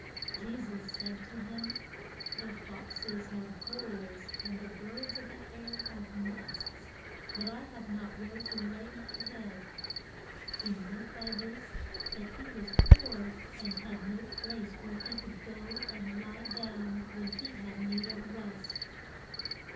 Je sus said to him, The fox es have holes, and the birds of the air have nests, but I have not where to lay my head. He meant by this that he was poor, and had no place where he could go and lie down when he had need of rest.